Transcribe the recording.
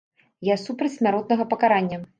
Я супраць смяротнага пакарання.